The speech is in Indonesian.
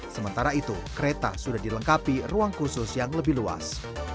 sementara itu kereta sudah dilengkapi ruang khusus yang lebih luas